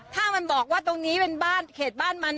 ถ้ามันบอกว่าตรงนี้เป็นบ้านเขตบ้านมัน